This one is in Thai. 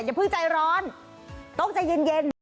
อย่าเพิ่งใจร้อนต้องใจเย็น